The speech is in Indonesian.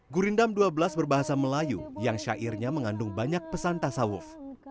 gurindam dua belas berbahasa melayu yang syairnya mengandung banyak pesan tasawuf